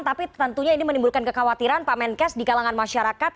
tapi tentunya ini menimbulkan kekhawatiran pak menkes di kalangan masyarakat